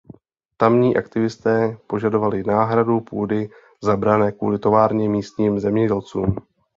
Tamní aktivisté požadovali náhradu půdy zabrané kvůli továrně místním zemědělcům.